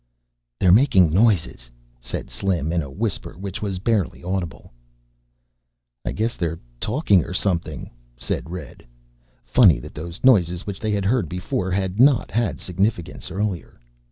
"They're making noises," said Slim, in a whisper which was barely audible. "I guess they're talking or something," said Red. Funny that those noises which they had heard before had not had significance earlier.